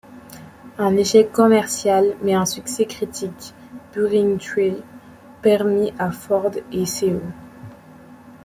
Un échec commercial, mais un succès critique, Burning Tree permis à Ford et Co.